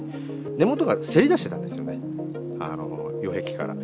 根元がせり出してたんですよね、擁壁から。